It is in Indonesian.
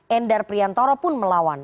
endar priantoro pun melawan